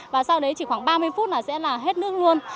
và sau đấy chỉ khoảng ba mươi phút là sẽ là hết nước luôn